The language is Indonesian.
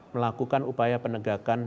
melakukan upaya penegakan